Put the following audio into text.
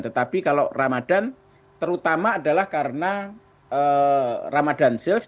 tetapi kalau ramadan terutama adalah karena ramadan sales